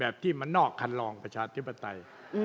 แบบที่มานอกคันรองประชาธิปตัย